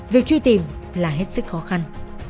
việc truy tìm là hết sức khó khăn